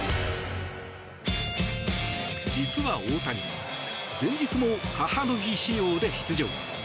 実は大谷前日も母の日仕様で出場。